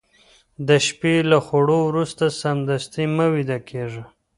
د شپې له خوړو وروسته سمدستي مه ويده کېږه